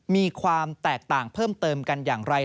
มีความแตกต่างเพิ่มเติมกันอย่างไร